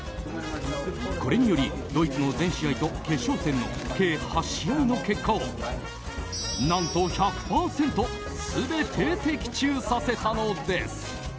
これにより、ドイツの全試合と決勝戦の計８試合の結果を何と１００％全て的中させたのです。